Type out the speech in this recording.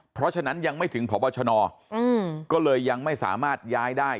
เพราะฉะนั้นยังไม่ถึงพบชนก็เลยยังไม่สามารถย้ายได้